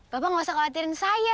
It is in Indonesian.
bapak gak usah khawatirin saya